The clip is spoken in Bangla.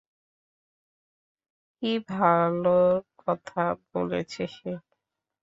কি ভালোর কথা বলেছে সে?